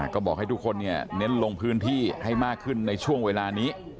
ก็บอกให้ทุกคนเน้นลงพื้นที่ให้มากขึ้นในช่วงเวลานี้